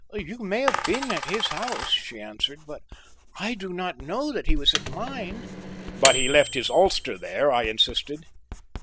"You may have been at his house," she answered, "but I do not know that he was at mine." "But he left his ulster there," I insisted.